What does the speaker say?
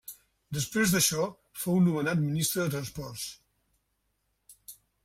Després d'això fou nomenat ministre de transports.